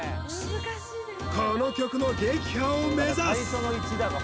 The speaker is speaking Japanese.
この曲の撃破を目指す！